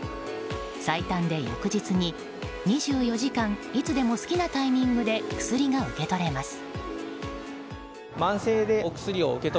最短で翌日に、２４時間いつでも好きなタイミングで薬が受け取れます。